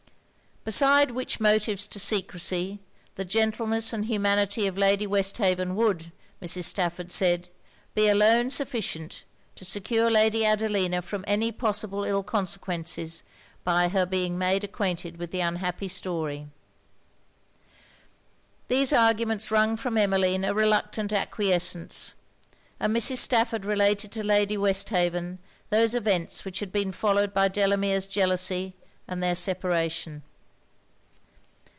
Besides which motives to secresy, the gentleness and humanity of Lady Westhaven would, Mrs. Stafford said, be alone sufficient to secure Lady Adelina from any possible ill consequences by her being made acquainted with the unhappy story. These arguments wrung from Emmeline a reluctant acquiescence: and Mrs. Stafford related to Lady Westhaven those events which had been followed by Delamere's jealousy and their separation.